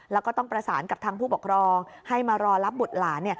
แล้วก็ต้องประสานกับทางผู้ปกครองให้มารอรับบุตรหลาน